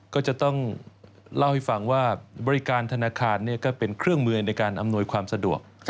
ก็จะต้องเล่าให้ฟังว่าบริการธนาคารก็เป็นเครื่องมือในการอำนวยความสะดวก